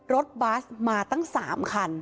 รถบัสมาตั้ง๓คัน